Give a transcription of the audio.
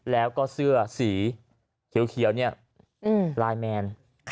แล้วก็เสื้อสีเขียวเนี่ยไลน์แมน